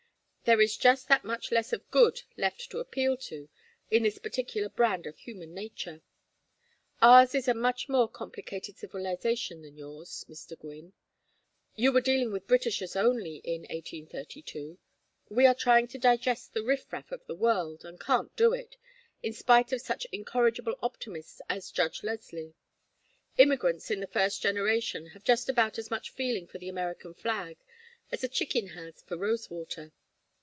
There is just that much less of good left to appeal to in this particular brand of human nature. Ours is a much more complicated civilization than yours, Mr. Gwynne. You were dealing with Britishers only, in 1832. We are trying to digest the riffraff of the world, and can't do it, in spite of such incorrigible optimists as Judge Leslie. Immigrants in the first generation have just about as much feeling for the American flag as a chicken has for Rosewater.